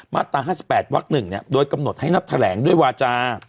มาตรา๕๘วัก๑โดยกำหนดให้นัดแถลงด้วยวาจา